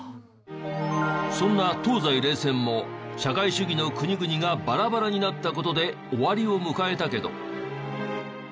そんな東西冷戦も社会主義の国々がバラバラになった事で終わりを迎えたけど。